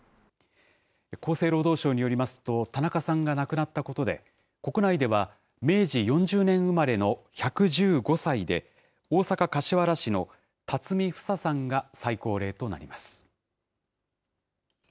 厚生労働省によりますと、田中さんが亡くなったことで、国内では、明治４０年生まれの１１５歳で、大阪・柏原市のたつみフサさんが最高齢となります。